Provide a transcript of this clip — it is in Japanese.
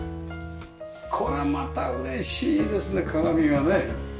これまた嬉しいですね鏡がね。